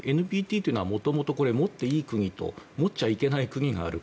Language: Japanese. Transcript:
ＮＰＴというのはもともと持っていい国と持っちゃいけない国がある。